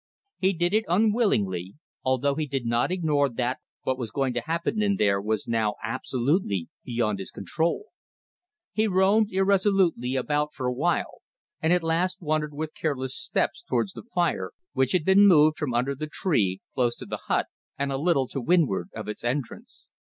He did it unwillingly, although he did not ignore that what was going to happen in there was now absolutely beyond his control. He roamed irresolutely about for awhile, and at last wandered with careless steps towards the fire, which had been moved, from under the tree, close to the hut and a little to windward of its entrance.